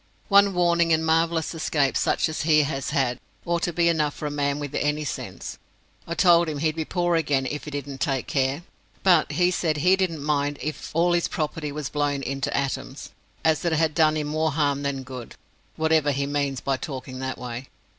One warning and marvellous escape such as he has had ought to be enough for a man with any sense. I told him he'd be poor again if he didn't take care, but he said he didn't mind if all his property was blown into atoms, as it had done him more harm than good, whatever he means by talking that way.